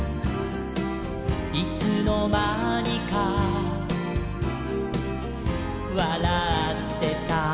「いつのまにかわらってた」